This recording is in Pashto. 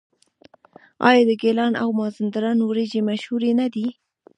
آیا د ګیلان او مازندران وریجې مشهورې نه دي؟